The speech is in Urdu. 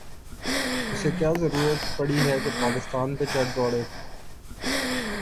اسے کیا ضرورت پڑی ہے کہ پاکستان پہ چڑھ دوڑے۔